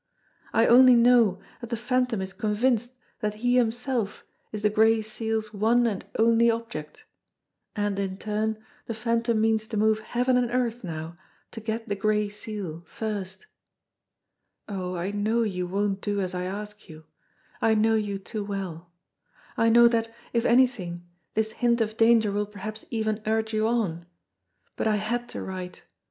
I only know that the Phantom is convinced that he himself is the Gray Seal's one and only object; and, in turn, the Phantom means to move heaven and arth now to get the Gray Seal first. Oh, I know you won't do as 132 JIMMIE DALE AND THE PHANTOM CLUE I ask you! I know you too well. I know that, if anything, this hint of danger will perhaps even urge you on. But I had to write.